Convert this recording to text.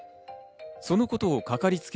そのことをかかりつけ